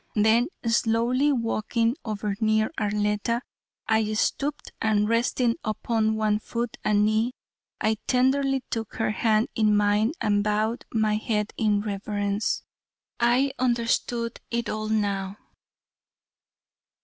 Then slowly walking over near Arletta, I stooped and resting upon one foot and knee, I tenderly took her hand in mine and bowed my head in reverence. I understood it all now.